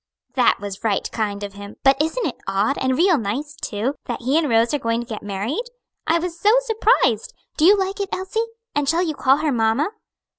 "That was right kind of him, but isn't it odd, and real nice too, that he and Rose are going to get married? I was so surprised. Do you like it, Elsie? and shall you call her mamma?"